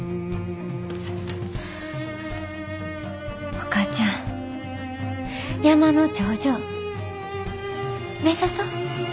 お母ちゃん山の頂上目指そ。